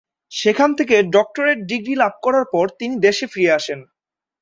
সেখান থেকে doctorate degree লাভ করার পর তিনি দেশে ফিরে আসেন।